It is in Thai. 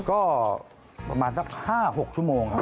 ก็ประมาณสัก๕๖ชั่วโมงครับ